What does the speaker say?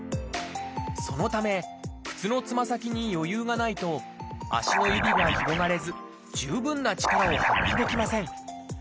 そのため靴のつま先に余裕がないと足の指が広がれず十分な力を発揮できません。